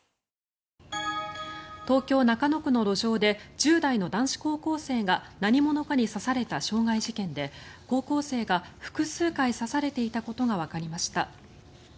東京・中野区の路上で１０代の男子高校生が何者かに刺された傷害事件で高校生が複数回刺されていたことがわかりました。